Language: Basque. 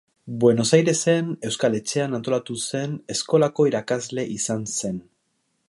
Buenos Airesen, Euskal Etxean antolatu zen eskolako irakasle izan zen.